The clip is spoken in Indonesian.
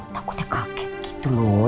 takutnya kaget gitu loh